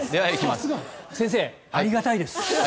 先生、ありがたいです。